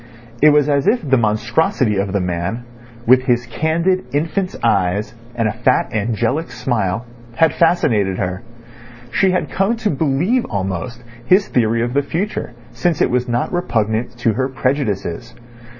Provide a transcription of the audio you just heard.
It was as if the monstrosity of the man, with his candid infant's eyes and a fat angelic smile, had fascinated her. She had come to believe almost his theory of the future, since it was not repugnant to her prejudices.